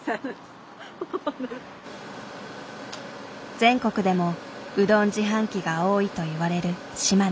全国でもうどん自販機が多いといわれる島根。